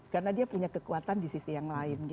karena dia punya kekuatan di sisi yang lain